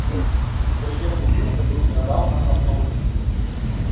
Інтэр'ер будынка быў нядаўна абноўлены.